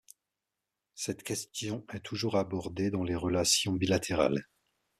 Cette question est toujours abordée dans les relations bilatérales.